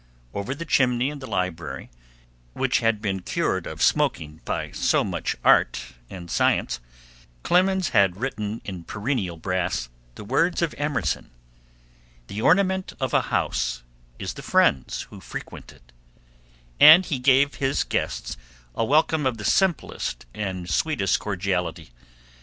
Over the chimney in the library which had been cured of smoking by so much art and science, Clemens had written in perennial brass the words of Emerson, "The ornament of a house is the friends who frequent it," and he gave his guests a welcome of the simplest and sweetest cordiality.